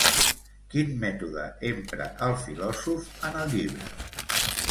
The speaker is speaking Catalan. Quin mètode empra el filòsof en el llibre?